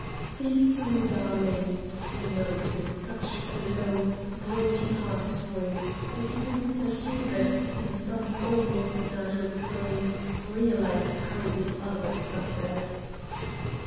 "Speak to me, darling!" he moaned in such a low, broken hearted voice that even Sir Hubert, himself almost mad with grief, realized how the other suffered.